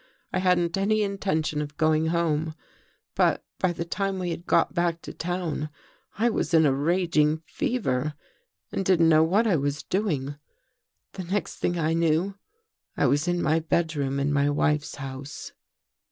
I hadn't any intention of going home, but by the time we had got back to town, I was in a raging fever and didn't know what I was doing. The next thing I knew, I was in my bedroom in my wife's house.